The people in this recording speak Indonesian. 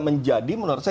menjadi menurut saya